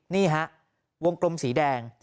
นี่ฮะวงกลมสีแดง